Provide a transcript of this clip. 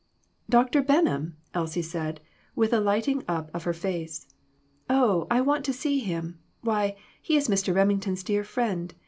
" Dr. Benham !" Elsie said, with a lighting up of her face; "oh, I want to see him! Why, he is Mr. Remington's dear friend.